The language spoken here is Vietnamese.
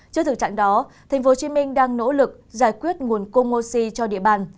trước thực trạng đó tp hcm đang nỗ lực giải quyết nguồn cung oxy cho địa bàn